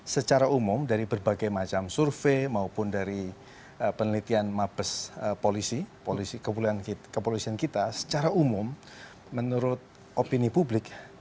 secara umum dari berbagai macam survei maupun dari penelitian mabes polisian kita secara umum menurut opini publik